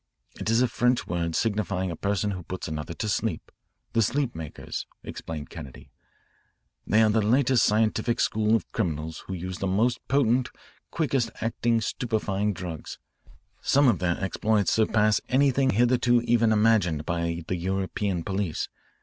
"It is a French word signifying a person who puts another to sleep, the sleep makers," explained Kennedy. "They are the latest scientific school of criminals who use the most potent, quickest acting stupefying drugs. Some of their exploits surpass anything hitherto even imagined by the European police.